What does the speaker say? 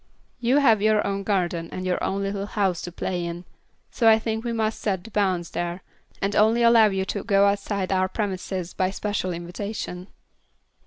You have your own garden and your own little house to play in, so I think we must set the bounds there, and only allow you to go outside our premises by special invitation."